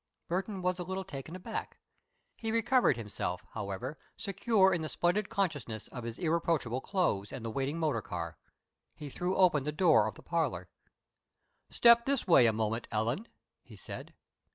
Burton was a little taken aback. He recovered himself, however, secure in the splendid consciousness of his irreproachable clothes and the waiting motor car. He threw open the door of the parlor. "Step this way a moment, Ellen," he said.